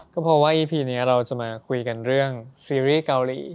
ก็เพราะว่าอีพีนี้เราจะมาคุยกันเรื่องซีรีส์เกาหลี